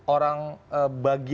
orang bagian dari era itu